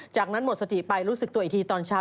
จากนั้นหมดสติไปรู้สึกตัวอีกทีตอนเช้า